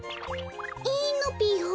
いいのぴよ？